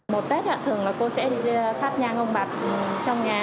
một tết thường là cô sẽ phát nhang ông bạc trong nhà